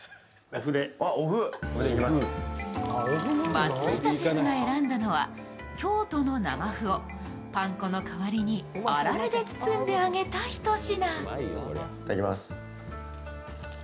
松下シェフが選んだのは京都の生麩をパン粉の代わりにあられで包んで揚げたひと品。